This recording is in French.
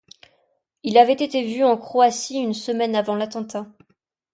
Il avait été vu en Croatie une semaine avant l'attentat.